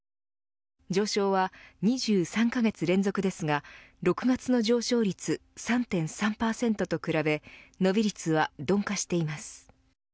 上昇は２３カ月連続ですが６月の上昇率３．３％と比べ伸び率は鈍化しています。